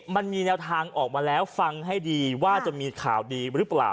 มันมีแนวทางออกมาแล้วฟังให้ดีว่าจะมีข่าวดีหรือเปล่า